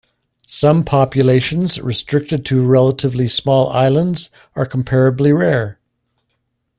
Some populations restricted to relatively small islands are comparably rare.